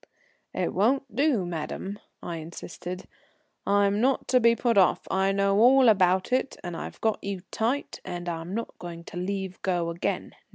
"It won't do, madame," I insisted. "I'm not to be put off. I know all about it, and I've got you tight, and I'm not going to leave go again.